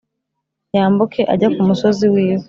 yambuke ajya ku musozi w'iwe.